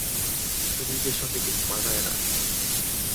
পুরুষদের সঙ্গে ঠিক মানায় না।